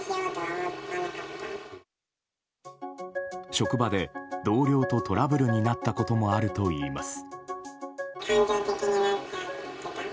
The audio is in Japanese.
職場で同僚とトラブルになったこともあるといいます。